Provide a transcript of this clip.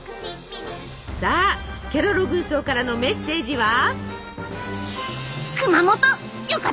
さあケロロ軍曹からのメッセージは。